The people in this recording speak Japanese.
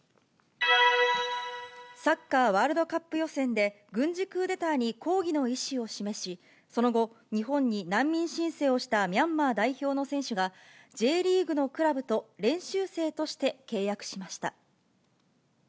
サッカーワールドカップ予選で、軍事クーデターに抗議の意思を示し、その後、日本に難民申請をしたミャンマー代表の選手が、Ｊリーグのクラブと練習生として契約しました。